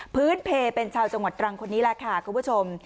เพลเป็นชาวจังหวัดตรังคนนี้แหละค่ะคุณผู้ชม